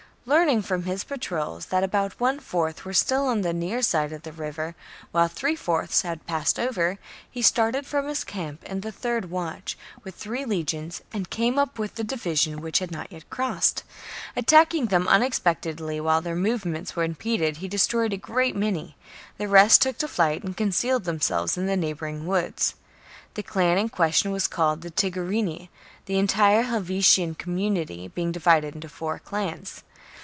Learning from his patrols that about one fourth were still on the near side of the river, while three fourths had passed over, he started from his camp in the third watch,^ with three legions, and came up with the division which had not yet crossed. Attacking them unex pectedly while their movements were impeded, he destroyed a great many : the rest took to flight ^ and concealed themselves in the neighbouring woods.^ The clan in question was called the Tigurini, the entire Helvetian community being divided into four clans.